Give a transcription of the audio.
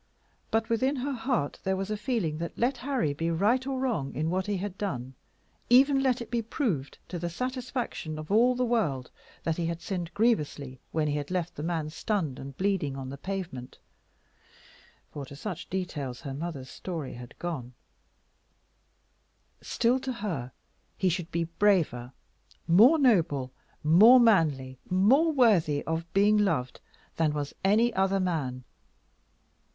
But within her heart there was a feeling that, let Harry be right or wrong in what he had done, even let it be proved, to the satisfaction of all the world, that he had sinned grievously when he had left the man stunned and bleeding on the pavement, for to such details her mother's story had gone, still, to her he should be braver, more noble, more manly, more worthy of being loved, than was any other man.